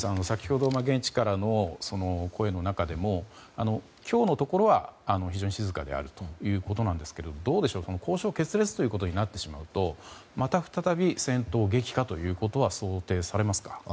先ほどの現地からの声の中でも今日のところは非常に静かであるということですがどうでしょう、交渉決裂ということになってしまうとまた再び戦闘激化ということは想定されますか？